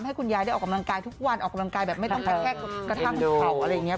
ให้คุณยายนิ๋งได้ออกกำลังกายทุกวันออกกำลังกายแบบไม่ต้องแทะกระทั่งขุ่งเขาก็มันอื่น